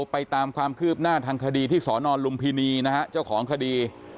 ไปตามความคืบหน้าทางคดีที่สอนอนลุมพินีนะฮะเจ้าของคดี